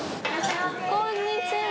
こんにちは。